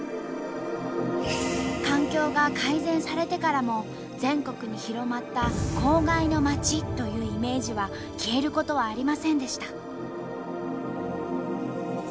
環境が改善されてからも全国に広まった「公害の街」というイメージは消えることはありませんでした。